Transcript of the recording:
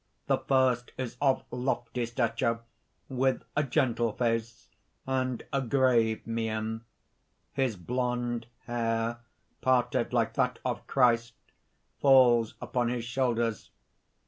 _ _The first is of lofty stature, with a gentle face, and a grave mien. His blond hair, parted like that of Christ, falls upon his shoulders.